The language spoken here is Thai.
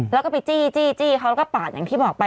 แล้วก็ไปจี้เขาแล้วก็ปาดอย่างที่บอกไป